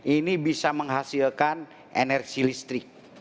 ini bisa menghasilkan energi listrik